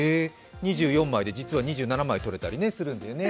２４枚で実は２７枚撮れたりするんだよね。